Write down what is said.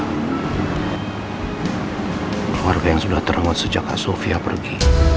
keluarga yang sudah ternut sejak kak sofia pergi